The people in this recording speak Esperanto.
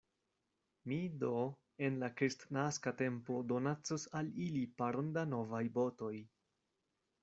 Mi do en la kristnaska tempo donacos al ili paron da novaj botoj.